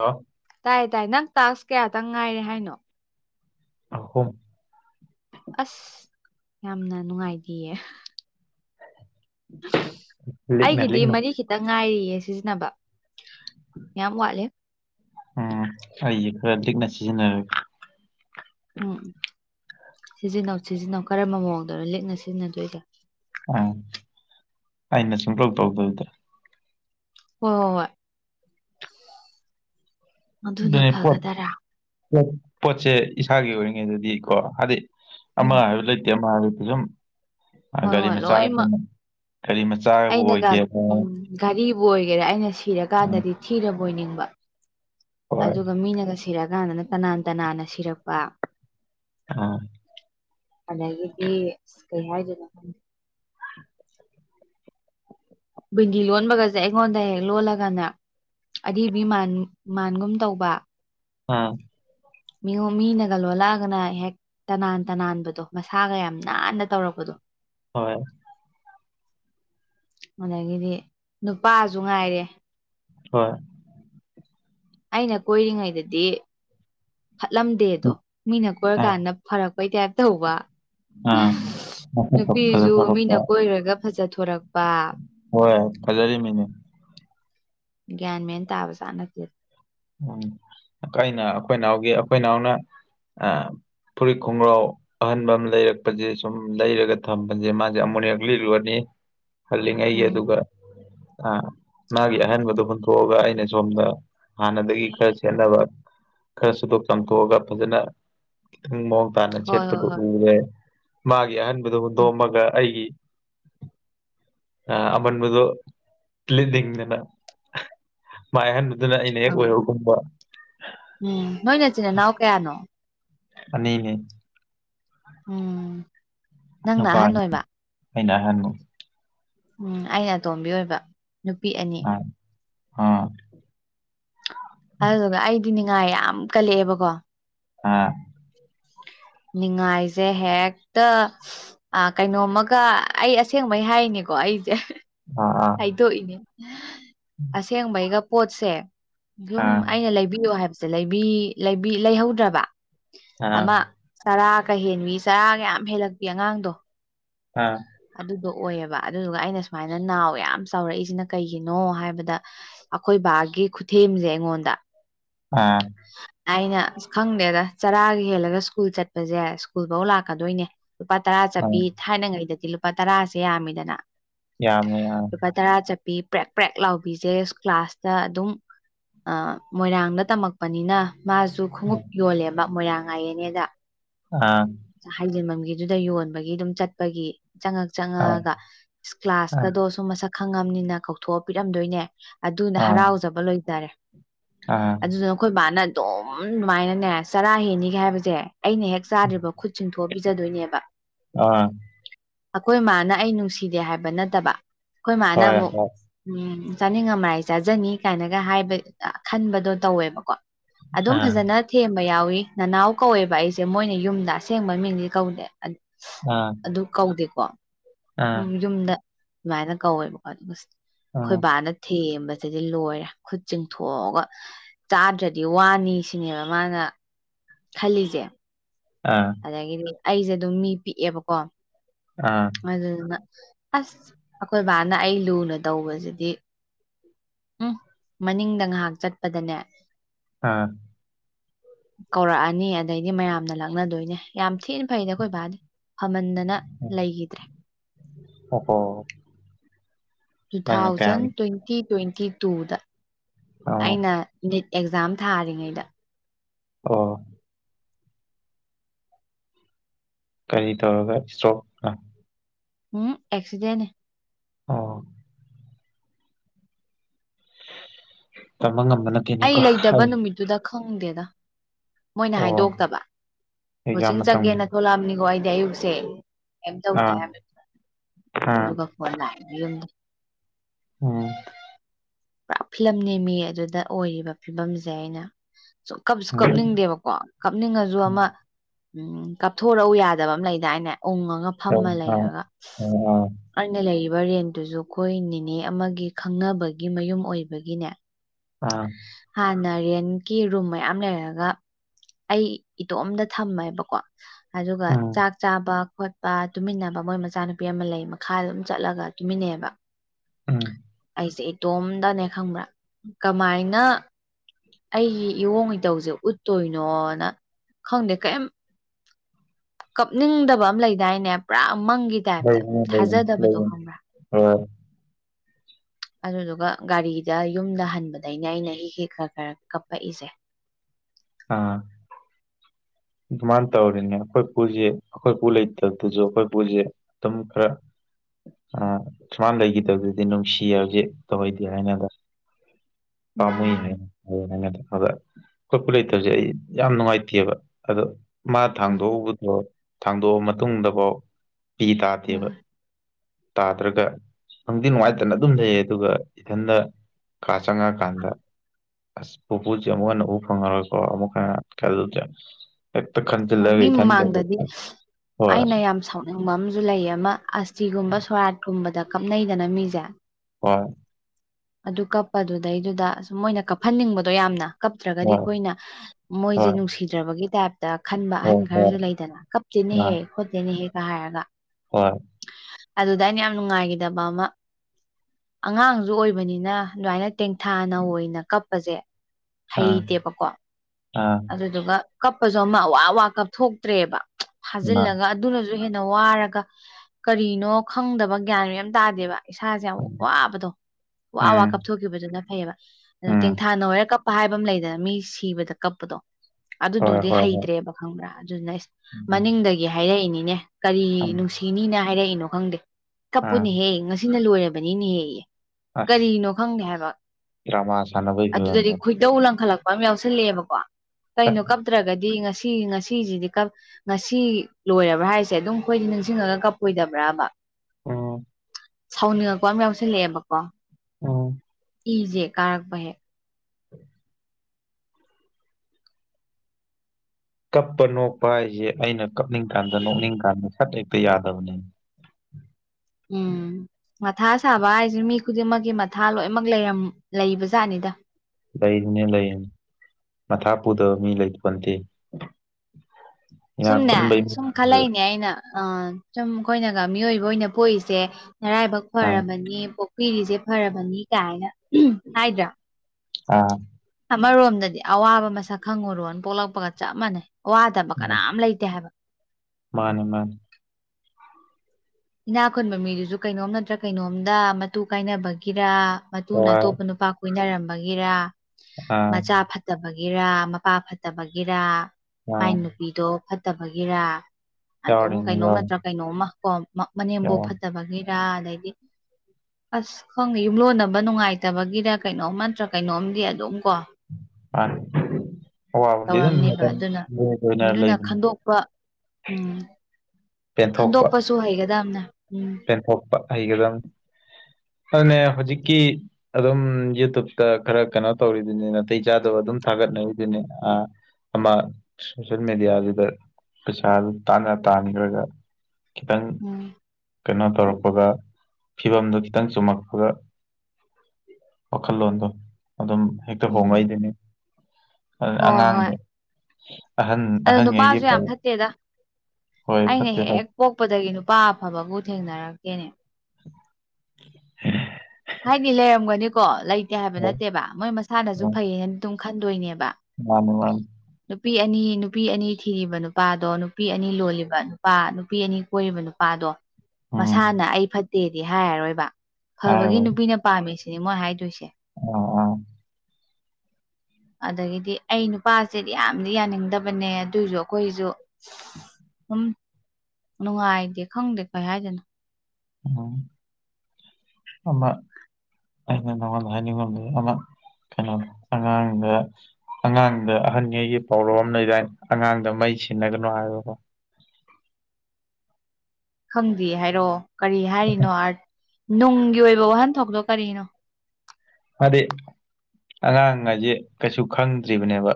hello ꯇꯥꯏ ꯇꯥꯏ ꯅꯪ ꯇꯥꯛꯁ ꯀꯌꯥꯇꯪ ꯉꯥꯏꯔꯦ ꯍꯥꯏꯅꯣ ꯑꯍꯨꯝ ꯑꯁ ꯌꯥꯝꯅ ꯅꯨꯡꯉꯥꯏꯇꯤꯌꯦ ꯂꯤꯛꯅ ꯑꯩꯒꯤꯗꯤ ꯂꯤꯛꯅ ꯃꯔꯤ ꯈꯤꯠ ꯇꯪ ꯉꯥꯏꯔꯤꯌꯦ ꯁꯤꯖꯤꯟꯅꯕ ꯃꯌꯥꯝ ꯋꯥꯠꯂꯤ ꯎꯝ ꯐꯩꯌꯦ ꯈꯔ ꯂꯤꯛꯅ ꯁꯤꯖꯤꯟꯅꯔꯒ ꯎꯝ ꯎꯝ ꯁꯤꯖꯤꯟꯅꯧ ꯁꯤꯖꯤꯟꯅꯧ ꯀꯔꯝꯕ ꯃꯑꯣꯡꯗꯅꯣ ꯂꯤꯛꯅ ꯁꯤꯖꯤꯟꯅꯗꯣꯏꯁꯦ ꯑꯥ ꯑꯩꯅ ꯁꯨꯡꯇꯧ ꯇꯧꯗꯣꯗꯕꯗꯣ ꯍꯣꯏ ꯍꯣꯏ ꯍꯣꯏ ꯑꯗꯨꯅ ꯑꯗꯨꯅꯦ ꯄꯣꯠ ꯐꯒꯗꯔꯥ ꯄꯣꯠꯁꯦ ꯏꯁꯥꯒꯤ ꯑꯣꯏꯔꯤꯉꯩꯗꯗꯤ ꯀꯣ ꯍꯥꯏꯗꯤ ꯑꯃ ꯎꯝ ꯍꯥꯏꯕ ꯂꯩꯇꯦ ꯑꯃ ꯍꯥꯏꯕ ꯂꯩꯇꯦ ꯁꯨꯝ ꯍꯣꯏ ꯒꯥꯔꯤ ꯍꯣꯏ ꯂꯣꯏꯅꯃꯛ ꯃꯆꯥꯒꯨꯝꯕ ꯒꯥꯔꯤ ꯃꯆꯥꯕꯨ ꯑꯩꯅꯒ ꯑꯣꯏꯒꯦꯕ ꯎꯝ ꯘꯥꯔꯤꯕꯨ ꯑꯣꯏꯒꯦꯔꯥ ꯑꯩꯅ ꯎꯝ ꯁꯤꯔꯀꯥꯟꯗꯗꯤ ꯊꯤꯔꯕꯣꯏꯅꯤꯡꯕ ꯍꯣꯏ ꯑꯗꯨꯒ ꯃꯤꯅꯒ ꯁꯤ ꯁꯤꯔꯛꯑꯀꯥꯟꯗꯅ ꯇꯅꯥꯟ ꯇꯅꯥꯟꯅ ꯁꯤꯔꯛꯄ ꯑꯥ ꯑꯗꯒꯤꯗꯤ ꯀꯩ ꯍꯥꯏꯗꯣꯏꯅꯣ ꯈꯪꯗꯦ ꯕꯤꯟꯗꯤ ꯂꯣꯟꯕꯒꯁꯦ ꯑꯩꯉꯣꯟꯗ ꯍꯦꯛ ꯂꯣꯜꯂꯒꯅ ꯑꯔꯤꯕꯤ ꯃꯥꯟ ꯃꯥꯟꯒꯨꯝ ꯇꯧꯕ ꯑꯥ ꯃꯤ ꯃꯤꯅꯒ ꯂꯣꯜꯂꯛꯑꯒꯅ ꯍꯦꯛ ꯇꯅꯥꯟ ꯇꯅꯥꯟꯕꯗꯣ ꯃꯁꯥꯒ ꯌꯥꯝ ꯅꯥꯟꯅ ꯇꯧꯔꯛꯄꯗꯣ ꯍꯣꯏ ꯑꯗꯒꯤꯗꯤ ꯅꯨꯄꯥꯁꯨ ꯉꯥꯏꯔꯦ ꯍꯣꯏ ꯑꯩꯅ ꯀꯣꯏꯔꯤꯉꯩꯗꯗꯤ ꯐꯠꯂꯝꯗꯦꯗꯣ ꯃꯤꯅ ꯑꯥ ꯀꯣꯏꯔꯀꯥꯟꯗ ꯐꯔꯛꯄꯩ ꯇꯥꯏꯞ ꯇꯧꯕ ꯑꯥ ꯐꯖ ꯅꯨꯄꯤꯖꯨ ꯃꯤꯅ ꯐꯖꯕ ꯀꯣꯏꯒꯔ꯭ ꯒ ꯐꯖꯊꯣꯔꯛꯄ ꯍꯣꯏ ꯐꯖꯔꯤꯝꯅꯤꯅꯦ ꯒ꯭ꯌꯥꯟ ꯃꯦꯟ ꯇꯥꯕ ꯖꯥꯠ ꯅꯠꯇꯦꯗ ꯎꯝ ꯑꯩꯅ ꯑꯩꯈꯣꯏꯅꯥꯎꯒꯤ ꯑꯩꯈꯣꯏ ꯅꯥꯎꯅ ꯐꯨꯔꯤꯠ ꯈꯣꯡꯒ꯭ꯔꯥꯎ ꯑꯍꯟꯕ ꯑꯃ ꯂꯩꯔꯛꯄꯁꯦ ꯁꯨꯝ ꯂꯩꯔꯒ ꯊꯝꯕꯁꯦ ꯃꯥꯁꯦ ꯑꯃꯨꯛ ꯑꯅꯤꯔꯛ ꯂꯤꯠꯂꯨꯔꯅꯤ ꯍꯜꯂꯤꯉꯩꯒꯤ ꯎꯝ ꯑꯗꯨꯒ ꯑ ꯃꯥꯒꯤ ꯑꯍꯟꯕꯗꯣ ꯍꯨꯟꯇꯣꯛꯑꯒ ꯑꯩꯅ ꯁꯣꯝꯗ ꯏꯃꯥꯟꯅꯕꯗꯒꯤ ꯈꯔ ꯁꯦꯠꯅꯕ ꯈꯔ ꯁꯨꯇꯣꯛ ꯆꯥꯝꯊꯣꯛꯑꯒ ꯐꯖꯅ ꯈꯤꯇꯪ ꯃꯑꯣꯡ ꯃꯥꯅ ꯍꯣꯏ ꯍꯣꯏ ꯁꯦꯠꯄꯗꯨ ꯍꯣꯏ ꯎꯔꯦ ꯃꯥꯒꯤ ꯑꯍꯟꯕꯗꯣ ꯍꯨꯟꯗꯣꯛꯑꯝꯃꯒ ꯑꯩꯒꯤ ꯎꯝ ꯑ ꯑꯃꯟꯕꯗꯣ ꯂꯤꯠꯅꯤꯡꯗꯅ ꯃꯥꯏ ꯑꯍꯟꯕꯗꯨꯅ ꯑꯩ ꯍꯦꯛ ꯑꯪ ꯑꯣꯏꯍꯧꯕꯒꯨꯝꯕ ꯎꯝ ꯅꯣꯏ ꯅꯆꯤꯟ ꯅꯅꯥꯎ ꯀꯌꯥꯅꯣ ꯑꯅꯤꯅꯦ ꯎꯝ ꯅꯪꯅ ꯅꯨꯄꯥ ꯑꯍꯟ ꯑꯅꯤ ꯑꯣꯏꯕ ꯑꯩꯅ ꯑꯍꯟꯅꯤ ꯎꯝ ꯑꯩꯅ ꯑꯇꯣꯝꯕꯤ ꯑꯣꯏꯕ ꯅꯨꯄꯤ ꯑꯅꯤ ꯑꯥ ꯑꯥ ꯑꯗꯨꯗꯨꯒ ꯑꯩꯗꯤ ꯅꯤꯡꯉꯥꯏ ꯌꯥꯝ ꯀꯜꯂꯛꯑꯦꯕꯀꯣ ꯑꯥ ꯅꯤꯡꯉꯥꯏꯁꯦ ꯍꯦꯛꯇ ꯑ ꯀꯩꯅꯣꯝꯃꯒ ꯑꯩ ꯑꯁꯦꯡꯕꯩ ꯍꯥꯏꯅꯤꯀꯣ ꯑꯩꯁꯦ ꯑ ꯑꯥ ꯍꯥꯏꯥꯏꯗ ꯏꯅꯦ ꯎꯝ ꯑꯁꯦꯡꯕꯩꯒ ꯄꯣꯠꯁꯦ ꯑꯗꯨꯝ ꯑꯥ ꯑꯩꯅ ꯂꯩꯕꯤꯌꯣ ꯍꯥꯏꯕꯁꯦ ꯂꯩꯕꯤ ꯂꯩꯕꯤ ꯂꯩꯍꯧꯗ꯭ꯔꯕ ꯑꯃ ꯆꯔꯥꯒ ꯍꯦꯟꯕꯤ ꯆꯔꯥꯒ ꯌꯥꯝ ꯍꯦꯜꯂꯛꯄꯤ ꯑꯉꯥꯡꯗꯣ ꯑ ꯑꯗꯨꯗꯣ ꯑꯣꯏꯌꯦꯕ ꯑꯗꯨꯗꯨꯒ ꯑꯩꯅ ꯁꯨꯃꯥꯏꯅ ꯅꯥꯎ ꯌꯥꯝ ꯆꯥꯎꯔꯛꯏꯁꯤꯅ ꯀꯩꯒꯤꯅꯣ ꯍꯥꯏꯕꯗ ꯑꯩꯈꯣꯏ ꯕꯥꯒꯤ ꯈꯨꯊꯦꯝꯁꯦ ꯑꯩꯉꯣꯟꯗ ꯑꯥ ꯑꯩꯅ ꯈꯪꯗꯦꯗ ꯆꯔꯥꯒ ꯍꯦꯜꯂꯒ ꯁ꯭ꯀꯨꯜ ꯆꯠꯄꯁꯦ ꯁ꯭ꯀꯨꯜ ꯐꯧ ꯂꯥꯛꯀꯗꯣꯏꯅꯦ ꯂꯨꯄꯥ ꯇꯔꯥ ꯆꯠꯄꯤ ꯑꯥ ꯊꯥꯏꯅꯉꯩꯗꯗꯤ ꯂꯨꯄꯥ ꯇꯔꯥꯁꯦ ꯌꯥꯝꯃꯤꯗꯅ ꯌꯥꯝꯃꯦꯍꯥ ꯂꯨꯄꯥ ꯇꯔꯥ ꯆꯠꯄꯤ ꯄ꯭ꯔꯦꯛ ꯄ꯭ꯔꯦꯛ ꯂꯥꯎꯕꯤꯖꯦ ꯀ꯭ꯂꯥꯁꯇ ꯑꯗꯨꯝ ꯃꯣꯏꯔꯥꯡꯗ ꯇꯝꯃꯛꯄꯅꯤꯅ ꯃꯥꯁꯨ ꯈꯣꯡꯎꯞ ꯌꯣꯜꯂꯦꯕ ꯃꯣꯏꯔꯥꯡ ꯑꯥꯏ ꯑꯟ ꯑ ꯗꯥ ꯑꯥ ꯍꯥꯖꯤꯟꯕꯥꯝꯒꯤꯗꯨꯗ ꯌꯣꯟꯕꯒꯤ ꯑꯗꯨꯝ ꯆꯠꯄꯒꯤ ꯆꯪꯛꯉꯛ ꯆꯪꯉꯛꯑꯒ ꯀ꯭ꯂꯥꯁꯀꯗꯣ ꯁꯨꯝ ꯃꯁꯛ ꯈꯪꯉꯕꯅꯤꯅ ꯀꯧꯊꯣꯛꯑ ꯄꯔꯝꯗꯣꯏꯅꯦ ꯑꯗꯨꯅ ꯍꯔꯥꯎꯖꯕ ꯂꯣꯏꯇꯥꯔꯦ ꯑ ꯑꯗꯨꯅ ꯑꯩꯈꯣꯏ ꯕꯥꯅ ꯑꯗꯨꯝ ꯑꯗꯨꯃꯥꯏꯅꯅꯦ ꯆꯔꯥ ꯍꯦꯟꯅꯤꯒ ꯍꯥꯏꯕꯁꯦ ꯑꯩꯅ ꯍꯦꯛ ꯆꯥꯗ꯭ꯔꯤꯕ ꯈꯨꯠꯁꯤꯡꯊꯣꯛ ꯄꯤꯖꯗꯣꯏꯅꯦꯕ ꯑꯥ ꯑꯩꯈꯣꯏ ꯃꯥꯅ ꯑꯩ ꯅꯨꯡꯁꯤꯗꯦ ꯍꯥꯏꯕ ꯅꯠꯇꯕ ꯑꯩꯈꯣꯏ ꯃꯥꯅ ꯑꯃꯨꯛ ꯎꯝ ꯆꯥꯅꯤꯡꯉ ꯃꯥꯏ ꯆꯥꯖꯅꯤ ꯀꯥꯏꯅꯒ ꯍꯥꯏꯕ ꯈꯟꯕꯗꯣ ꯇꯧꯋꯦꯕꯀꯣ ꯑꯗꯨꯝ ꯐꯖꯅ ꯊꯦꯝꯕ ꯌꯥꯎꯏꯤ ꯅꯅꯥꯎ ꯀꯧꯋꯦꯕ ꯑꯩꯁꯦ ꯃꯣꯏꯅ ꯌꯨꯝꯗ ꯑꯁꯦꯡꯕ ꯃꯤꯡꯗꯤ ꯀꯧꯗꯦ ꯑ ꯑꯗꯨ ꯀꯧꯗꯦꯀꯣ ꯁꯨꯝ ꯌꯨꯝꯗ ꯑꯗꯨꯃꯥꯏꯅ ꯀꯧꯋꯦꯕꯀꯣ ꯑꯗꯨꯒ ꯑꯩꯈꯣꯏꯕꯥꯅ ꯊꯦꯝꯕꯁꯤꯗꯤ ꯂꯣꯏꯔꯦ ꯈꯨꯠ ꯆꯤꯡꯊꯣꯛꯒ ꯆꯥꯗ꯭ꯔꯗꯤ ꯋꯥꯅꯤ ꯁꯤꯅꯦꯕ ꯃꯥꯅ ꯈꯜꯂꯤꯁꯦ ꯑꯥ ꯑꯗꯒꯤꯗꯤ ꯑꯩꯁꯦ ꯑꯗꯨꯝ ꯃꯤ ꯄꯤꯛꯑꯦꯕꯀꯣ ꯑꯥ ꯑꯗꯨꯅ ꯑꯁ ꯑꯩꯈꯣꯏꯕꯥꯅ ꯑꯩ ꯂꯨꯅ ꯇꯧꯕꯁꯤꯗꯤ ꯎꯝ ꯃꯅꯤꯡꯗ ꯉꯥꯏꯍꯥꯛ ꯆꯠꯄꯗꯅꯦ ꯑꯥ ꯀꯧꯔꯛꯑꯅꯤ ꯑꯗꯩꯗꯤ ꯃꯌꯥꯝꯅ ꯂꯥꯛꯅꯗꯣꯏꯅꯦ ꯌꯥꯝ ꯊꯤꯅ ꯐꯩꯅꯦ ꯑꯩꯈꯣꯏ ꯕꯥꯗꯤ ꯐꯝꯃꯟꯗꯅ ꯂꯩꯈꯤꯗ꯭ꯔꯦ ꯑꯣ ꯇꯨ ꯅꯪꯅ ꯊꯥꯎꯖꯟ ꯀꯌꯥꯝ ꯇ꯭ꯋꯦꯟꯇꯤ ꯇ꯭ꯋꯦꯟꯇꯤ ꯇꯨꯗ ꯑꯣ ꯑꯩꯅ ꯅꯤꯠ ꯑꯦꯛꯖꯥꯝ ꯊꯥꯔꯤꯉꯩꯗ ꯑꯣ ꯀꯔꯤ ꯇꯧꯔꯒ ꯏꯁꯇ꯭ꯔꯣꯛ ꯎꯝ ꯑꯦꯛꯁꯤꯗꯦꯟ ꯑꯣ ꯇꯝꯕ ꯉꯝꯕꯅ ꯑꯩ ꯂꯩꯇꯕ ꯅꯨꯃꯤꯠꯇꯨꯗ ꯈꯪꯗꯦꯗ ꯃꯣꯏꯅ ꯑꯣ ꯍꯥꯏꯗꯣꯛꯇꯕ ꯑꯦꯛꯖꯥꯝ ꯀꯣꯆꯤꯡ ꯃꯇꯝꯒꯤ ꯆꯠꯒꯦꯅ ꯊꯣꯛꯂꯛꯑꯕꯅꯤꯀꯣ ꯑꯩꯗꯤ ꯑꯌꯨꯛꯁꯦ ꯀꯩꯝ ꯇꯧꯗꯦ ꯑꯥ ꯍꯥꯏꯕ ꯗꯨꯗ ꯑꯥ ꯑꯗꯨꯒ [unintelligible] ꯎꯝ ꯄꯨꯔꯥ ꯐꯤꯂꯝ ꯅꯦꯝꯃꯤ ꯑꯗꯨꯗ ꯑꯣꯏꯔꯤꯕ ꯐꯤꯕꯝꯁꯦ ꯑꯩꯅ [unintelligible] ꯎꯝ ꯎꯅꯤꯡꯗꯦꯕꯀꯣ ꯀꯥꯞꯅꯤꯡꯉꯁꯨ ꯑꯃ ꯎꯝ ꯀꯞꯊꯣꯔꯛꯎ ꯌꯥꯗꯕ ꯑꯃ ꯂꯩꯗꯥꯏꯅꯦ ꯎꯪꯉꯒ ꯐꯝꯃ ꯑꯥ ꯂꯩꯔꯒ ꯑꯥ ꯑꯩꯅ ꯂꯩꯔꯤꯕ ꯔꯦꯟꯇꯨꯁꯨ ꯑꯩꯈꯣꯏ ꯅꯤꯅꯦ ꯑꯃꯒꯤ ꯈꯪꯅꯕꯒꯤ ꯃꯌꯨꯝ ꯑꯣꯏꯕꯒꯤꯅꯦ ꯑꯥ ꯍꯥꯟꯅ ꯔꯦꯟꯀꯤ ꯔꯨꯝ ꯃꯌꯥꯝ ꯂꯩꯔꯒ ꯑꯩ ꯏꯇꯣꯞꯝꯇ ꯊꯝꯃꯦꯕꯀꯣ ꯑꯗꯨꯒ ꯎꯝ ꯆꯥꯛ ꯆꯥꯕ ꯈꯣꯠꯄ ꯄꯥ ꯇꯨꯃꯤꯟꯅꯕ ꯃꯣꯏ ꯃꯆꯥꯅꯨꯄꯤ ꯑꯃ ꯂꯩ ꯃꯈꯥ ꯑꯗꯨꯝ ꯆꯠꯂꯒ ꯇꯨꯃꯤꯟꯅꯩꯑꯕ ꯎꯝ ꯑꯩꯁꯦ ꯏꯇꯣꯝꯇꯅꯦ ꯈꯪꯕ꯭ꯔꯥ ꯀꯃꯥꯏꯅ ꯑꯩꯒꯤ ꯏꯋꯣꯡ ꯏꯇꯧꯁꯦ ꯎꯠꯇꯣꯏꯅꯣꯅ ꯈꯪꯗꯦ ꯀꯩꯝ ꯀꯞꯅꯤꯡꯗꯕ ꯑꯃ ꯂꯩꯗꯥꯏꯅꯦ ꯄꯨꯔꯥ ꯃꯪꯒꯤ ꯇꯥꯏꯞꯇ ꯊꯥꯖꯗꯕꯗꯣ ꯈꯪꯕ꯭ꯔꯥ [unintelligible] ꯑꯗꯨꯗꯨꯒ ꯒꯥꯔꯤꯗ ꯌꯨꯝꯗ ꯍꯟꯕꯗꯩꯅꯦ ꯑꯩꯅ ꯍꯤ ꯍꯤꯛ ꯈꯔ ꯈꯔ ꯀꯞꯄꯛꯏꯁꯦ ꯑꯥ ꯑꯗꯨ ꯃꯥꯅ ꯇꯧꯔꯤꯅꯦ ꯑꯩꯈꯣꯏ ꯄꯨꯁꯦ ꯑꯩꯈꯣꯏ ꯄꯨ ꯂꯩꯇꯕꯗꯨꯁꯨ ꯑꯩꯈꯣꯏ ꯄꯨꯁꯦ ꯇꯨꯝ ꯈꯔ ꯑ ꯁꯨꯃꯥꯟꯅ ꯂꯩꯈꯤꯗꯕꯗꯨꯗꯤ ꯅꯨꯡꯁꯤ ꯍꯥꯏꯕꯁꯤ ꯇꯧꯍꯩꯗꯦ ꯍꯥꯏꯅꯕ ꯄꯥꯝꯃꯨꯏ ꯎꯝ ꯍꯥꯏꯅꯤ [unintelligible] ꯄꯨ ꯂꯩꯇꯕꯁꯦ ꯑꯩ ꯌꯥꯝ ꯅꯨꯡꯉꯥꯏꯇꯦꯕ ꯑꯗꯣ ꯃꯥ ꯎꯝ ꯊꯥꯡꯗꯣꯛꯎꯕꯗꯣ ꯊꯥꯡꯗꯣꯛꯑ ꯃꯇꯨꯡꯗꯐꯥꯎ ꯄꯤ ꯇꯥꯗꯦꯕ ꯎꯝ ꯇꯥꯗ꯭ꯔꯒ ꯅꯨꯡꯗꯤ ꯅꯨꯡꯉꯥꯏꯇꯅ ꯑꯗꯨꯝ ꯂꯩꯌꯦ ꯑꯗꯨꯒ ꯏꯊꯟꯗ ꯀꯥ ꯆꯪꯉ ꯀꯥꯟꯗ ꯑꯁ ꯄꯨꯄꯨꯁꯦ ꯑꯃꯨꯛ ꯍꯟꯅ ꯎ ꯐꯪ ꯐꯪꯉꯔꯣꯏꯀꯣ ꯑꯃꯨꯛ [unintelligible] ꯍꯦꯛꯇ ꯍꯣꯏ ꯈꯟꯖꯟꯂꯒ ꯃꯤ ꯏꯊꯟꯇ ꯑꯃꯨꯛ ꯃꯃꯥꯡꯗꯗꯤ ꯍꯣꯏ ꯑꯩꯅ [unintelligible] ꯑꯃꯁꯨ ꯂꯩꯌꯦ ꯑꯃ ꯑꯁꯇꯤꯒꯨꯝꯕ ꯁꯣꯔꯥꯠꯀꯨꯝꯕꯗ ꯀꯞꯅꯩꯗꯅ ꯃꯤꯁꯦ ꯍꯣꯏ ꯑꯗꯨ ꯀꯞꯄꯗꯨꯗꯩꯗꯨꯗ ꯁꯨꯝ ꯃꯣꯏꯅ ꯀꯞꯍꯟꯅꯤꯡꯕꯗꯣ ꯌꯥꯝꯅ ꯀꯞꯇ꯭ꯔꯒꯗꯤ ꯍꯣꯏ ꯑꯩꯈꯣꯏꯅ ꯃꯣꯏꯁꯦ ꯅꯨꯡꯁꯤꯗ꯭ꯔꯕꯒꯤ ꯇꯥꯏꯞꯇ ꯈꯟꯕ ꯑꯍꯟ ꯈꯔꯁꯨ ꯂꯩꯗꯅ ꯀꯞꯇꯦꯅꯍꯦ ꯈꯣꯠꯇꯦꯅꯤ ꯍꯦꯒ ꯍꯥꯏꯔꯒ ꯍꯣꯏ ꯑꯗꯨꯗ ꯑꯩꯅ ꯌꯥꯝ ꯅꯨꯡꯉꯥꯏꯈꯤꯗꯕ ꯑꯃ ꯑꯉꯥꯡꯁꯨ ꯑꯣꯏꯕ ꯕꯅꯤꯅ ꯑꯗꯨꯃꯥꯏꯅ ꯇꯦꯡꯊꯥ ꯅꯥꯑꯣꯏꯅ ꯀꯞꯄꯁꯦ ꯍꯩꯇꯦꯕꯀꯣ ꯑꯗꯨꯒ ꯀꯞꯄꯁꯨ ꯑꯃ ꯋꯥ ꯋꯥ ꯀꯞꯊꯣꯛꯇ꯭ꯔꯦꯕ ꯐꯖꯤꯜꯂꯉ ꯑꯗꯨꯅꯁꯨ ꯑꯗꯨꯨ ꯍꯦꯟꯅ ꯋꯥꯔꯒ ꯀꯔꯤꯅꯣ ꯈꯪꯗꯕ ꯒ꯭ꯌꯥꯟ ꯃ꯭ꯌꯥꯟ ꯑꯝ ꯇꯥꯗꯦꯕ ꯏꯁꯥꯁꯦ ꯌꯥꯝ ꯋꯥꯕꯗꯣ ꯋꯥ ꯋꯥ ꯀꯞꯊꯣꯛꯈꯤꯕꯗꯨꯅ ꯐꯩꯑꯕ ꯑꯗꯨ ꯇꯦꯡꯊꯥ ꯅꯣꯏꯔ ꯀꯞ ꯄ ꯍꯥꯏꯕ ꯑꯃ ꯂꯩꯗꯅ ꯃꯤ ꯁꯤꯕꯗ ꯀꯞꯄꯗꯣ ꯑꯗꯨꯗꯨꯗꯤ ꯍꯩꯇ꯭ꯔꯦꯕ ꯈꯪꯕ꯭ꯔꯥ ꯑꯗꯨꯅ ꯑꯩꯁ ꯃꯅꯤꯡꯗꯒꯤ ꯍꯥꯏꯔꯛꯏꯅꯤꯅꯦ ꯀꯔꯤ ꯅꯨꯡꯁꯤꯅꯤꯅ ꯍꯥꯏꯔꯛꯏꯅꯣ ꯈꯪꯗꯦ ꯀꯞꯄꯨꯅꯦꯍꯦ ꯉꯁꯤꯅ ꯂꯣꯏꯔꯕꯅꯤꯅꯦꯍꯦꯌꯦ ꯀꯔꯤꯅꯣ ꯈꯪꯗꯦ ꯍꯥꯏꯕ ꯑꯗꯨꯗꯗꯤ ꯗꯧ ꯂꯪꯈꯠꯂꯛꯄ ꯑꯃ ꯌꯥꯎꯁꯜꯂꯛꯑꯦꯕꯀꯣ ꯀꯩꯅꯣ ꯀꯞꯇ꯭ꯔꯒꯗꯤ ꯉꯁꯤ ꯁꯤ ꯉꯁꯤꯁꯤꯗꯤ ꯉꯁꯤ ꯂꯣꯏꯔꯕ꯭ꯔꯥ ꯍꯥꯏꯁꯦ ꯑꯗꯨꯝ ꯑꯩꯈꯣꯏꯗꯤ ꯅꯤꯡꯁꯤꯡꯉꯒ ꯀꯞꯄꯣꯏꯗꯕ꯭ꯔꯥꯕ ꯁꯥꯎꯅꯤꯡꯉꯛꯄ ꯑꯃ ꯌꯥꯎꯁꯤꯜꯂꯛꯑꯦꯕꯀꯣ ꯎꯝ ꯏꯖꯦ ꯀꯥꯔꯛꯄꯍꯦ [inaudible] ꯀꯞꯄ ꯅꯣꯛꯄ ꯍꯥꯏꯁꯦ ꯑꯩꯅ ꯀꯞꯅꯤꯡ ꯀꯥꯟꯗ ꯅꯣꯛꯅꯤꯡꯀꯥꯟꯗ ꯁꯠ ꯍꯦꯛꯇ ꯌꯥꯗꯕꯅꯦ ꯎꯝ ꯃꯊꯥ ꯁꯥꯕ ꯍꯥꯏꯁꯦ ꯃꯤ ꯈꯨꯗꯤꯡꯃꯛꯀꯤ ꯃꯊꯥ ꯂꯣꯏꯅꯃꯛ ꯂꯩꯔꯝ ꯂꯩꯕ ꯖꯥꯠꯅꯤꯗ ꯂꯩꯅꯤꯅꯦ ꯂꯩ ꯃꯊꯥ ꯄꯨꯗꯕ ꯃꯤ ꯂꯩ ꯄꯟꯊꯦ ꯁꯨꯝꯅꯦ ꯁꯨꯝ ꯈꯜꯂꯛꯏꯅꯦ ꯑꯩꯅ ꯑ ꯆꯝ ꯑꯩꯈꯣꯏꯅꯒ ꯃꯤꯑꯣꯏꯕ ꯑꯣꯏꯅ ꯄꯣꯛꯏꯁꯦ ꯅꯔꯥꯏꯕꯛ ꯑꯥ ꯐꯔꯕꯅꯤ ꯄꯤꯔꯤꯁꯦ ꯐꯔꯕꯅꯤ ꯀꯥꯏꯅ ꯍꯥꯏꯗ꯭ꯔꯥ ꯑꯥ ꯑꯃꯔꯣꯝꯗꯗꯤ ꯑꯋꯥꯕ ꯃꯁꯛ ꯈꯪꯉꯨꯔꯣꯅ ꯄꯣꯛꯂꯛꯄꯒ ꯆꯞ ꯃꯥꯟꯅꯩ ꯑꯋꯥꯗꯕ ꯀꯅꯥꯝ ꯂꯩꯇꯦ ꯍꯥꯏꯕ ꯃꯥꯅꯦ ꯃꯥꯅꯦ ꯏꯅꯥꯛ ꯈꯨꯟꯕ ꯃꯤꯗꯨꯁꯨ ꯀꯩꯅꯣꯝ ꯅꯠꯇ꯭ꯔ ꯀꯩꯅꯣꯝꯗ ꯃꯇꯨ ꯀꯥꯏꯅꯕꯒꯤꯔ ꯃꯇꯨꯡꯅ ꯍꯣꯏ ꯑꯇꯣꯞꯄ ꯅꯨꯄꯥ ꯀꯣꯏꯅꯔꯝꯕꯒꯤꯔ ꯑꯥ ꯃꯆꯥ ꯐꯠꯇꯕꯒꯤꯔ ꯃꯄꯥ ꯐꯠꯇꯕꯒꯤꯔ ꯃꯥꯏ ꯑꯥ ꯅꯨꯄꯤꯗꯣ ꯐꯠꯇꯕꯒꯤꯔ ꯑꯗꯨꯝ ꯌꯥꯎꯔꯤꯅꯤ ꯀꯩꯅꯣꯝ ꯌꯥꯎꯔꯤꯅꯤ ꯅꯠꯇ꯭ꯔꯥ ꯀꯩꯅꯣꯝꯃ ꯀꯣ ꯃꯅꯦꯝꯕꯣꯛ ꯌꯥꯎꯔꯤꯅꯤ ꯐꯠꯇꯕꯒꯤꯔꯥ ꯑꯗꯩꯗꯤ ꯑꯁ ꯈꯪꯉꯦ ꯌꯨꯝꯂꯣꯟꯅꯕ ꯅꯨꯡꯉꯥꯏꯇꯕꯒꯤꯔ ꯀꯩꯅꯣꯝ ꯅꯠꯇ꯭ꯔ ꯀꯩꯅꯣꯝꯗꯤ ꯑꯗꯨꯝ ꯀꯣ [unintelligible] ꯑꯋꯥꯕꯗ ꯇꯧꯔꯝꯅꯦꯕ ꯑꯗꯨꯅ ꯑꯗꯨꯅ [unintelligible] ꯈꯟꯗꯣꯛꯄ ꯎꯝ ꯈꯟꯗꯣꯛꯄꯁꯨ ꯍꯩꯒꯗꯝꯕꯅꯦ ꯎꯝ ꯌꯦꯊꯣꯛꯄ ꯍꯩꯒꯗꯕꯅꯤ ꯑꯗꯨꯅꯦ ꯍꯧꯖꯤꯛꯀꯤ ꯑꯗꯨꯝ ꯌꯨꯇꯨꯕꯇ ꯈꯔ ꯀꯩꯅꯣ ꯇꯧꯔꯤꯗꯨꯅꯤ ꯅꯥꯇꯩ ꯆꯥꯗꯕ ꯑꯗꯨꯝ ꯊꯥꯒꯠꯅꯔꯤꯗꯨꯅꯤ ꯑ ꯑꯃ ꯁꯣꯁꯜ ꯃꯤꯗꯤꯌꯥꯗꯨꯗ ꯄꯩꯁꯥꯗꯨ ꯇꯥꯅ ꯇꯟꯈ꯭ꯔꯒ ꯈꯤꯇꯪ ꯎꯝ ꯀꯩꯅꯣ ꯇꯧꯔꯛꯄꯒ ꯐꯤꯕꯝꯗꯨ ꯈꯤꯇꯪ ꯆꯨꯝꯃꯛꯄꯒ ꯋꯥꯈꯜꯂꯣꯟꯗꯣ ꯑꯗꯨꯝ ꯍꯦꯛꯇ ꯎꯝ ꯍꯣꯡꯉꯩꯗꯨꯅꯤ ꯍꯣꯏ ꯍꯣꯏ ꯑꯉꯥꯡꯗ ꯑꯍꯟ ꯑꯗꯣ ꯑꯍꯟꯉꯩꯒꯤ ꯅꯨꯄꯥꯁꯨ ꯌꯥꯝ ꯐꯠꯇꯦꯗ ꯍꯣꯏ ꯑꯩꯅ ꯐꯠꯇꯦ ꯐꯦ ꯍꯦꯛ ꯄꯣꯛꯄꯗꯒꯤ ꯅꯨꯄꯥ ꯑꯐꯕꯕꯨ ꯊꯦꯡꯅꯔꯛꯀꯦꯅꯦ [unintelligible] ꯍꯥꯏꯗꯤ ꯂꯩꯔꯝꯒꯅꯤꯀꯣ ꯂꯩꯇꯦ ꯍꯥꯏꯕ ꯍꯣꯏ ꯅꯠꯇꯦꯕ ꯃꯣꯏ ꯃꯁꯥꯅꯁꯨ ꯍꯣꯏ ꯐꯩꯌꯦꯅ ꯑꯗꯨꯝ ꯈꯟꯗꯣꯏꯅꯦꯕ ꯃꯥꯅꯤ ꯃꯥꯅꯤ ꯅꯨꯄꯤ ꯑꯅꯤ ꯅꯨꯄꯤ ꯑꯅꯤ ꯊꯤꯔꯤꯕ ꯅꯨꯄꯥꯗꯣ ꯅꯨꯄꯤ ꯑꯅꯤ ꯂꯣꯜꯂꯤꯕ ꯅꯨꯄꯥ ꯅꯨꯄꯤ ꯑꯅꯤ ꯀꯣꯏꯔꯤꯕꯅꯨ ꯅꯨꯄꯥꯗꯣ ꯎꯝ ꯃꯁꯥꯅ ꯑꯩ ꯐꯠꯇꯦꯗꯤ ꯍꯥꯏꯔꯔꯣꯏꯕ ꯐꯕꯒꯤ ꯍꯥꯏꯔꯣꯏ ꯅꯨ [unintelligible] ꯄꯥꯝꯃꯤꯁꯤꯅꯦ ꯃꯣꯏ ꯍꯥꯏꯗꯣꯏꯁꯦ [unintelligible] [inaudible] ꯑꯗꯒꯤꯗꯤ ꯑꯩ ꯅꯨꯄꯥꯁꯦ ꯌꯥꯝꯗꯤ ꯌꯥꯅꯤꯡꯗꯕꯅꯦ ꯑꯗꯨꯏꯁꯨ ꯑꯩꯈꯣꯏꯁꯨ ꯎꯝ ꯅꯨꯡꯉꯥꯏꯗꯦ ꯈꯪꯗꯦ ꯀꯩ ꯍꯥꯏꯗꯅꯣ ꯎꯝ [unintelligible] ꯀꯩꯅꯣ ꯑꯉꯥꯡꯗ ꯑꯉꯥꯡꯗ ꯑꯍꯟꯉꯩꯒꯤ ꯄꯥꯎꯔꯧ ꯑꯃ ꯂꯩꯗꯥꯏ ꯑꯉꯥꯡꯗ ꯃꯩ ꯁꯤꯟꯅꯒꯅꯣ ꯍꯥꯏꯕꯕ ꯈꯪꯗꯦ ꯍꯥꯏꯔꯛꯑꯣ ꯀꯔꯤ ꯍꯥꯏꯔꯤꯅꯣ ꯑꯥꯔꯠ ꯅꯨꯡꯒꯤ ꯑꯣꯏꯕ ꯋꯥꯍꯟꯊꯣꯛꯇꯣ ꯀꯔꯤꯅꯣ ꯍꯥꯏꯗꯤ ꯑꯉꯥꯡ ꯍꯥꯏꯁꯦ ꯀꯩꯁꯨ ꯈꯪꯗ꯭ꯔꯤꯕꯅꯦꯕ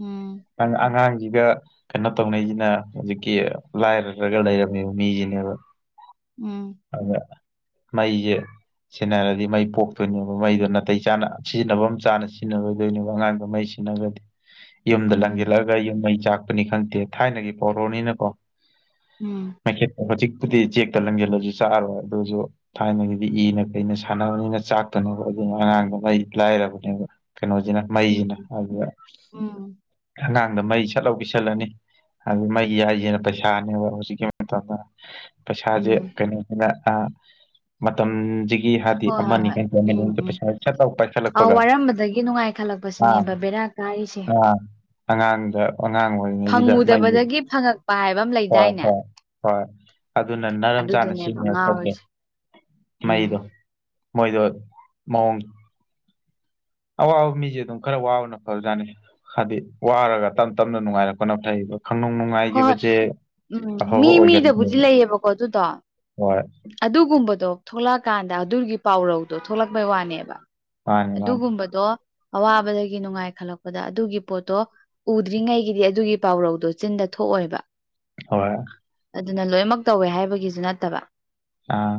ꯎꯝ [unintelligible] ꯑꯉꯥꯡꯁꯤꯒ ꯀꯩꯅꯣ ꯇꯧꯅꯩꯁꯤꯅ ꯍꯧꯖꯤꯛꯀꯤ ꯂꯥꯏꯔꯗ꯭ꯔꯒ ꯂꯩꯔꯝꯃꯤꯕ ꯃꯤꯁꯤꯅꯦꯕ ꯎꯝ ꯇꯕꯔ ꯃꯩꯖ‌ꯦ ꯁ‌ꯦꯟꯅꯔꯗꯤ ꯃꯩ ꯄꯣꯛꯇꯣꯏꯅꯦꯕ ꯃꯩꯗꯣ ꯅꯥꯇꯩ ꯆꯥꯅ ꯁꯤꯖꯤꯟꯅꯕ ꯑꯃ ꯆꯥꯅ ꯁꯤꯖꯤꯟꯅꯔꯣꯏꯗꯣꯏꯅꯦꯕ ꯑꯉꯥꯡꯗ‌ꯣ ꯃꯩꯁꯤ [unintelligible] ꯌꯨꯝꯗ ꯎꯝ ꯂꯪꯖꯤꯜꯂꯛꯒ ꯌꯨꯝ ꯃꯩ ꯆꯥꯛꯄꯅꯤ ꯈꯪꯗꯦ ꯊꯥꯏꯅꯒꯤ ꯄꯔꯣꯅꯤꯅꯀꯣ ꯎꯝ ꯃꯩꯈꯦꯠꯇ ꯍꯧꯖꯤꯛꯄꯨꯗꯤ ꯆꯦꯛꯇ ꯂꯪꯖꯦꯜꯂꯁꯨ ꯆꯥꯑꯔꯣꯏ ꯑꯗꯨꯁꯨ ꯊꯥꯏꯅꯒꯤꯗꯤ ꯏꯅ ꯀꯩꯅ ꯁꯥꯟꯅꯕꯅꯤꯅ ꯆꯥꯛꯇꯅꯕ ꯑꯗꯨꯅ ꯑꯉꯥꯡꯗꯣ ꯃꯩ ꯂꯥꯏꯔꯕꯅꯦꯕ ꯀꯩꯅꯣꯖꯤꯅ ꯃꯩꯖꯤꯅ ꯎꯝ ꯑꯗꯥ ꯎꯝ ꯑꯉꯥꯡꯗ ꯃꯩ ꯆꯠꯍꯧ ꯄꯤꯁꯜꯂꯅꯤ ꯑꯗꯨ ꯃꯩ ꯌꯥꯏꯁꯤꯅ ꯄꯩꯁꯥꯅꯦꯕ ꯍꯧꯖꯤꯛꯀꯤ ꯄꯩꯁꯥꯖ‌ꯦ ꯎꯝ ꯀꯩꯅꯣꯁꯤꯅ ꯑꯩ ꯃꯇꯝꯖꯤ ꯍꯣꯏ ꯍꯣꯏ ꯍꯣꯏ ꯎꯝ ꯎꯝ ꯁꯠ ꯂꯥꯎ ꯑ ꯄꯥꯏꯈꯠꯂꯛꯄꯒ ꯋꯥꯔꯝꯕꯗꯒꯤ ꯅꯨꯡꯉꯥꯏ ꯈꯠꯂꯛꯄ ꯑꯥ ꯁꯤꯅꯦꯕ ꯕꯦꯔꯥ ꯀꯔꯤꯁꯦ ꯑꯥ ꯑꯉꯥꯡꯗ ꯑꯉꯥꯡ ꯑꯣꯏꯔꯤꯉꯩꯒꯤꯗ ꯃꯩꯁ ꯐꯪꯉꯨꯗꯕꯗꯒꯤ ꯐꯪꯉꯛꯄ ꯍꯥꯏꯕ ꯑꯃ ꯍꯣꯏ ꯂꯩꯗꯥꯏꯅꯦ ꯍꯣꯏ ꯍꯣꯏ ꯑꯗꯨꯅ ꯅꯔꯝ ꯆꯥꯅ ꯑꯗꯨꯗꯨꯅꯦꯕ ꯁꯤꯅ ꯇꯧꯒꯦ ꯉꯥꯎꯔꯤꯁꯦ ꯎꯝ ꯃꯣꯏꯗꯣ ꯃꯑꯣꯡ ꯑꯋꯥꯕ ꯃꯤꯖ‌ꯦ ꯑꯗꯨꯝ ꯈꯔ ꯋꯥꯕꯅ ꯐꯕꯖꯥꯠꯅꯤ ꯍꯥꯏꯗꯤ ꯋꯥꯔꯒ ꯇꯞ ꯇꯞꯅ ꯅꯨꯡꯉꯥꯏꯔꯛꯄꯅ ꯐꯩꯕ ꯈꯪ ꯅꯨꯡ ꯅꯨꯡꯉꯥꯏ ꯍꯣꯏ ꯎꯝ ꯃꯤ ꯃꯤꯗꯕꯨꯗꯤ ꯑꯣꯏꯒꯟꯗꯦꯕ ꯂꯩꯌꯦꯕꯀꯣ ꯑꯗꯨꯗꯣ ꯍꯣꯏ ꯑꯗꯨꯒꯨꯝꯕꯗꯣ ꯊꯣꯛꯂꯛꯑꯀꯥꯟꯗ ꯑꯗꯨꯒꯤ ꯄꯥꯎꯔꯧꯗꯣ ꯊꯣꯛꯂꯛꯄꯩ ꯋꯥꯅꯦꯕ ꯃꯥꯅꯤ ꯃꯥꯅꯤ ꯑꯗꯨꯒꯨꯝꯕꯗꯣ ꯑꯋꯥꯕꯗꯒꯤ ꯅꯨꯡꯉꯥꯏ ꯈꯠꯂꯛꯄꯗ ꯑꯗꯨꯒꯤ ꯄꯣꯠꯇꯣ ꯎꯗ꯭ꯔꯤꯉꯩ ꯒꯤꯗꯤ ꯑꯗꯨꯒꯤ ꯄꯥꯎꯔꯧꯗꯣ ꯆꯤꯟꯗ ꯊꯣꯛꯑꯣꯏꯕ ꯍꯣꯏ ꯑꯗꯨꯅ ꯂꯣꯏꯃꯛ ꯇꯧꯋꯦ ꯍꯥꯏꯕꯒꯤꯖꯨ ꯅꯠꯇꯕ ꯑꯥ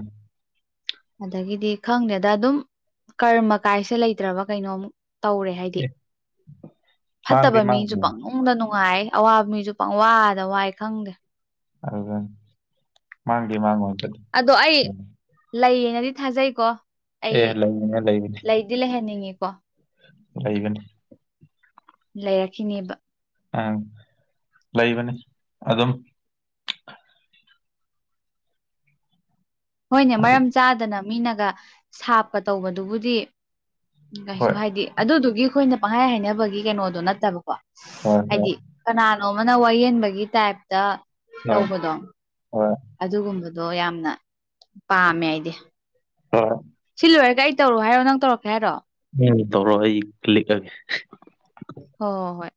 ꯑꯗꯒꯤꯗꯤ ꯈꯪꯗꯦꯗ ꯑꯗꯨꯝ ꯀꯔꯃ ꯀꯥꯏꯁꯦ ꯂꯩꯇ꯭ꯔꯕ ꯀꯩꯅꯣꯝ ꯇꯧꯔꯦ ꯍꯥꯏꯗꯤ ꯑꯦ ꯃꯥꯡꯗꯤ ꯐꯠꯇꯕ ꯃꯤꯁꯨ ꯃꯥꯡꯗꯦ ꯄꯪꯅꯨꯡ ꯄꯨꯡꯗ ꯅꯨꯡꯉꯥꯏ ꯑꯋꯥꯕ ꯃꯤꯖꯨ ꯄꯪ ꯋꯥꯗ ꯋꯥꯏ ꯈꯪꯗꯦ ꯍꯗ ꯃꯥꯥꯡꯗꯤ ꯃꯥꯥꯡ ꯉ‌ꯣꯏ ꯑꯗꯣ ꯑꯩ ꯂꯩꯌꯦꯅꯗꯤ ꯊꯥꯖꯩꯀꯣ ꯑꯦ ꯂꯩꯕꯅꯦ ꯂꯩꯕꯅꯦ ꯑꯩꯗꯤ ꯂꯩꯍꯟꯅꯤꯡꯉꯤꯀꯣ ꯂꯩꯒꯅꯤ ꯂꯩꯔꯛꯈꯤꯅꯦꯕ ꯎꯝ ꯂꯩꯕꯅꯤ ꯑꯗꯨꯝ ꯍꯣꯏꯅꯦ ꯃꯔꯝ ꯆꯥꯗꯅ ꯃꯤꯅꯒ ꯁꯥꯞꯀ ꯇꯧꯕꯗꯨꯕꯨꯗꯤ ꯀꯩꯁꯨ ꯍꯣꯏ ꯍꯥꯏꯗꯤ ꯑꯗꯨꯗꯨꯒꯤ ꯑꯩꯈꯣꯏꯅ ꯄꯪꯍꯥꯏ ꯍꯥꯏꯅꯕꯒꯤ ꯀꯩꯅꯣꯗꯣ ꯅꯠꯇꯕꯀꯣ ꯍꯣꯏ ꯍꯣꯏ ꯍꯥꯏꯗꯤ ꯀꯅꯥꯅꯣ ꯃꯅ ꯋꯥꯌꯦꯟꯕꯒꯤ ꯇꯥꯏꯞꯇ ꯍ‌ꯣꯏ ꯇꯧꯕꯗꯣ ꯍ‌ꯣꯏ ꯑꯗꯨꯒꯨꯝꯕꯗꯣ ꯌꯥꯝꯅ ꯄꯥꯝꯃꯦ ꯑꯩꯗꯤ ꯍꯣꯏ ꯁꯤ ꯂꯣꯏꯔꯒ ꯑꯩ ꯇꯧꯔꯛꯣ ꯍꯥꯏꯔꯣ ꯅꯪ ꯇꯧꯔꯛꯀꯦ ꯍꯥꯏꯔꯣ ꯎꯝ ꯇꯧꯔꯣ ꯑꯩ ꯂꯤꯛꯑꯒꯦ ꯍꯣꯏ ꯍ ꯍꯣꯏ